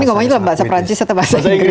ini ngomongnya bahasa prancis atau bahasa inggris